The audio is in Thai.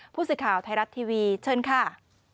พูดสิทธิ์ข่าวไทยรัตน์ทีวีเชิญค่ะ